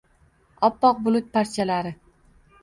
oppoq bulut parchalari